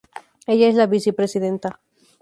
Ella es la vicepresidenta.